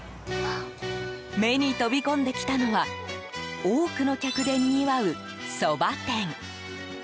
目に飛び込んできたのは多くの客でにぎわう、そば店。